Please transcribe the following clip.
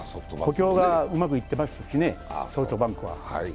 補強がうまくいってますしね、ソフトバンクは。